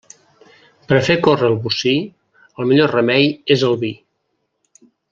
Per a fer córrer el bocí, el millor remei és el vi.